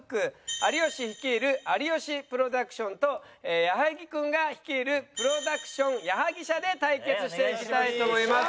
有吉率いる有吉プロダクションと矢作君が率いるプロダクション矢作舎で対決していきたいと思います。